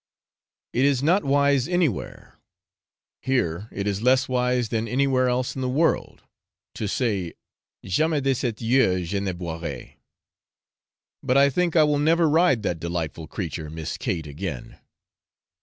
It is not wise anywhere here it is less wise than anywhere else in the world to say 'Jamais de cette eau je ne boirai;' but I think I will never ride that delightful creature Miss Kate again.